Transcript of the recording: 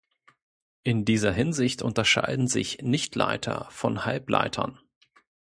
In dieser Hinsicht unterscheiden sich Nichtleiter von Halbleitern.